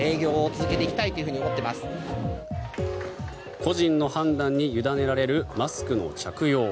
個人の判断に委ねられるマスクの着用。